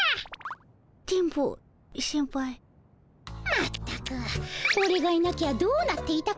まったくオレがいなきゃどうなっていたことか。